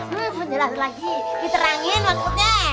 hmm sedikit lagi diterangin maksudnya